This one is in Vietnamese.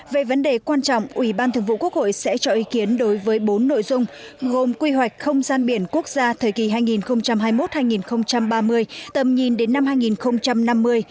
về vấn đề quan trọng ủy ban thường vụ quốc hội sẽ cho ý kiến đối với bốn nội dung gồm quy hoạch không gian biển quốc gia thời kỳ hai nghìn hai mươi một hai nghìn ba mươi tầm nhìn đến năm hai nghìn năm mươi